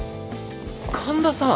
環田さん！